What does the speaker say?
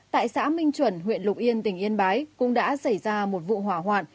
tại xã minh chuẩn huyện lục yên tỉnh yên bái cũng đã xảy ra một vụ hỏa hoạn